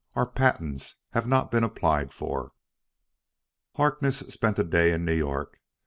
Our patents have not been applied for." Harkness spent a day in New York.